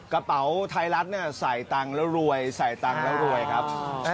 กระเป๋าไทรรัชน์ใส่ตังค์แล้วรวยครับ